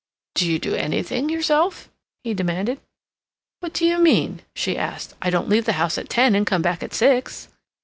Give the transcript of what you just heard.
"Do you do anything yourself?" he demanded. "What do you mean?" she asked. "I don't leave the house at ten and come back at six."